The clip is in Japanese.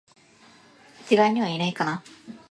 一概には言えないかな